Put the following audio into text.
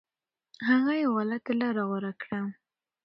هغه یو غلطه لاره غوره کړه.